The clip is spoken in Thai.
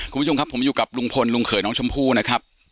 คุณผู้ชมครับผมอยู่กับลุงพลลุงเขยน้องชมพู่นะครับ